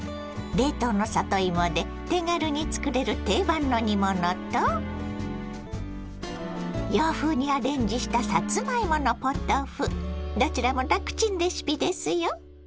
冷凍の里芋で手軽に作れる定番の煮物と洋風にアレンジしたどちらも楽ちんレシピですよ。